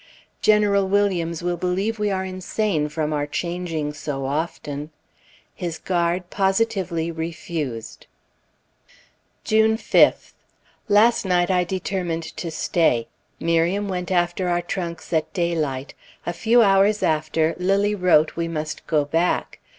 General Williams will believe we are insane from our changing so often. His guard positively refused. June 5th. Last night I determined to stay. Miriam went after our trunks at daylight. A few hours after, Lilly wrote we must go back.